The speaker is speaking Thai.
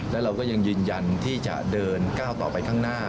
และเราก็ยังยืนยันที่จะเดินก้าวต่อไปข้างหน้า